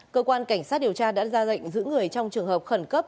cơ quan cảnh sát điều tra đã ra lệnh giữ người trong trường hợp khẩn cấp